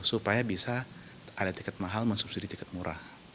supaya bisa ada tiket mahal mensubsidi tiket murah